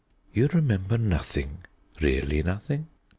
"You remember nothing really nothing?"